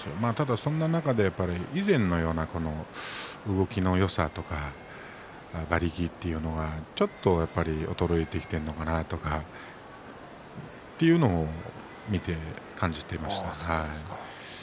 その中で以前のような動きのよさというか、馬力というのがちょっと衰えてきているのかなとかというのを見て感じていきました。